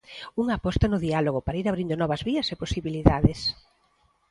Unha aposta no diálogo para ir abrindo novas vías e posibilidades.